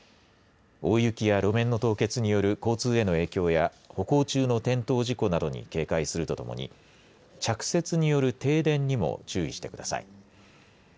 大雪や路面の凍結による交通への影響や歩行中の転倒事故などに警戒するとともに着雪による停電にも注意してください。